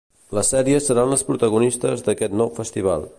Les sèries seran les protagonistes d'aquest nou festival.